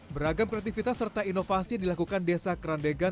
beragam kreativitas serta inovasi dilakukan desa kerandegan